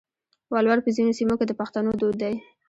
ولور په ځینو سیمو کې د پښتنو دود دی.